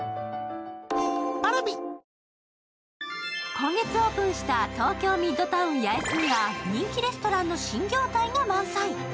今月オープンした東京ミッドタウン八重洲には人気レストランの新業態が満載。